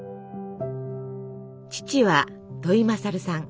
父は土井勝さん。